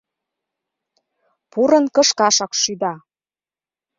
Пурын кышкашак шӱда.